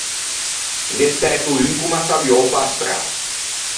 Gh’é stæto un ch’o m’à saluou pe-a strâ.